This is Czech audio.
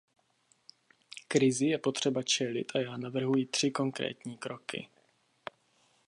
Krizi je potřeba čelit a já navrhuji tři konkrétní kroky.